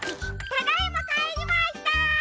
ただいまかえりました！